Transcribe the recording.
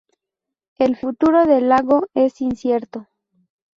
El futuro del lago es incierto.